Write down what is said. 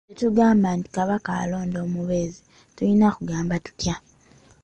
Tetugamba nti Kabaka alonda omubeezi, tulina kugamba tutya?